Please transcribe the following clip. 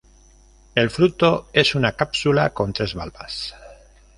El fruto es una cápsula con tres valvas.